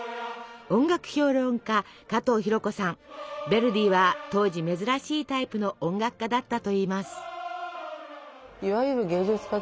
ヴェルディは当時珍しいタイプの音楽家だったといいます。